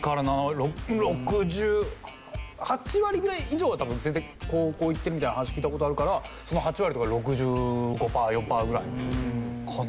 ６０８割ぐらい以上は多分全然高校行ってるみたいな話聞いた事あるからその８割とかだと６５パー６４パーぐらいかな。